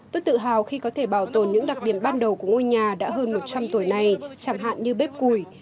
tôi tự hào khi có thể bảo tồn những đặc điểm ban đầu của ngôi nhà đã hơn một trăm linh tuổi này chẳng hạn như bếp cùi